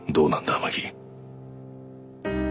天樹。